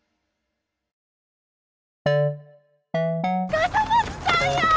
笠松さんや！